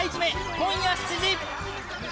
今夜７時。